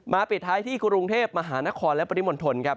ปิดท้ายที่กรุงเทพมหานครและปริมณฑลครับ